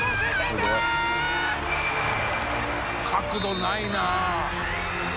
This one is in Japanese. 角度ないなあ！